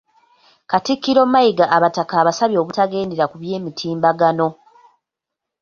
Katikkiro Mayiga abataka abasabye obutagendera ku bya mitimbagano